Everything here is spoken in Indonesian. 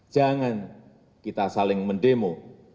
jangan kita saling mendemo